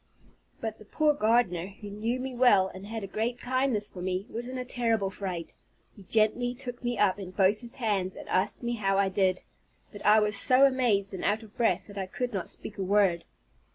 But the poor gardener, who knew me well, and had a great kindness for me, was in a terrible fright; he gently took me up in both his hands, and asked me how I did; but I was so amazed and out of breath, that I could not speak a word.